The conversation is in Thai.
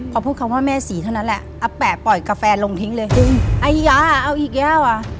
พอพูดคำว่าแม่ศรีเท่านั้นแหละอาแปะปล่อยกาแฟลงทิ้งเลยไอ้ยาเอาอีกยาวอ่ะ